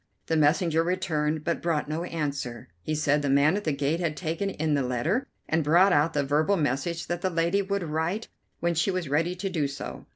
The messenger returned, but brought no answer. He said the man at the gate had taken in the letter, and brought out the verbal message that the lady would write when she was ready to do so.